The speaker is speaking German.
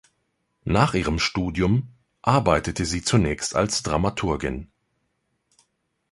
Nach ihrem Studium arbeitete sie zunächst als Dramaturgin.